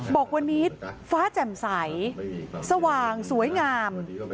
บอกวันนี้ฟ้าแจ่มใสสว่างสวยงาม